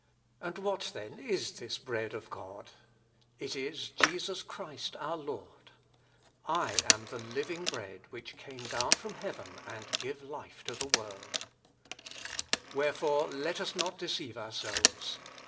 "And what, then, is this bread of God? It is Jesus Christ our Lord; 'I am the living bread which came down from heaven, and give life to the world.' Wherefore let us not deceive ourselves.